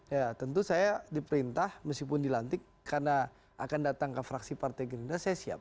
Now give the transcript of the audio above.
ya tentu saya diperintah meskipun dilantik karena akan datang ke fraksi partai gerindra saya siap